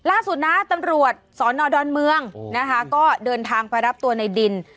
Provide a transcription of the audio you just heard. ล่าสุดนะตำรวจสอนอดอนเมืองนะคะก็เดินทางไปรับตัวในดิน